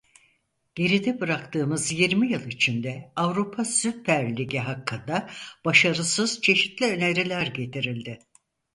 Geride bıraktığımız yirmi yıl içinde Avrupa Süper Ligi hakkında başarısız çeşitli öneriler getirildi.